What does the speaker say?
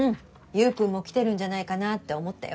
悠君も来てるんじゃないかなって思ったよ。